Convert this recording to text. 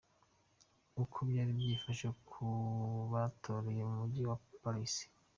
Uko bayri byifashe ku batoreye mu Mujyi wa Paris.